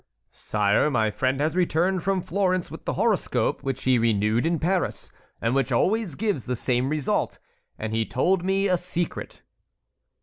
"Sire, my friend has returned from Florence with the horoscope, which he renewed in Paris, and which always gives the same result; and he told me a secret."